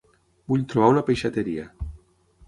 Vull trobar una peixateria.